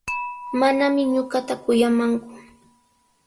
Manami ñuqata kuyamanku.